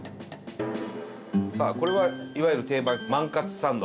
さあこれはいわゆる定番万かつサンド。